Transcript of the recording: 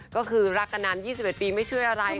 ก็คือรักกันนาน๒๑ปีไม่ช่วยอะไร